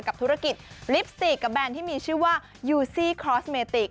ธุรกิจลิปสติกกับแบรนด์ที่มีชื่อว่ายูซี่คลอสเมติก